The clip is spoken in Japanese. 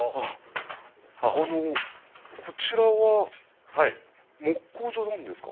こちらは木工所なんですか？